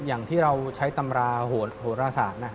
อย่างที่เราใช้ตำราโหดโหดราษานะ